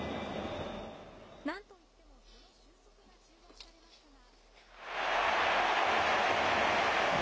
なんといっても、その俊足が注目されますが。